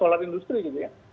solar industry gitu ya